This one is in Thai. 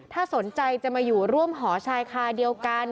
ถ้าสนใจจะมาอยู่ร่วมหอชายคาเดียวกัน